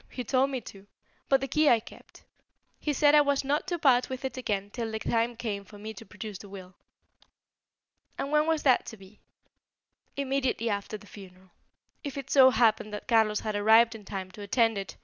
He told me to. But the key I kept. He said I was not to part with it again till the time came for me to produce the will." "And when was that to be?" "Immediately after the funeral, if it so happened that Carlos had arrived in time to attend it.